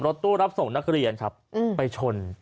ตู้รับส่งนักเรียนครับไปชน